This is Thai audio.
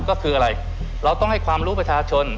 ก็คืออะไรเราต้องให้ความรู้ประชาชน